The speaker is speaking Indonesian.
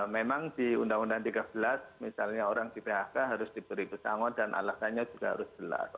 memang di undang undang tiga belas misalnya orang di phk harus diberi pesangon dan alasannya juga harus jelas